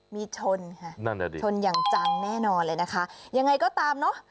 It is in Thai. มีชนค่ะชนอย่างจังแน่นอนเลยนะคะอย่างไรก็ตามเนอะ